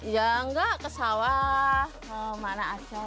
ya enggak ke sawah ke mana aja